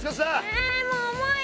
えもう重い！